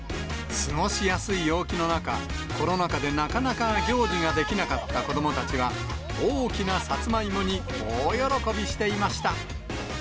過ごしやすい陽気の中、コロナ禍でなかなか行事ができなかった子どもたちは、大きなサツマイモに大喜びしていました。